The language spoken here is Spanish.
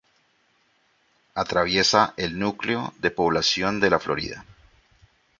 Atraviesa el núcleo de población de La Florida.